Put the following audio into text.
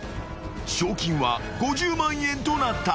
［賞金は５０万円となった］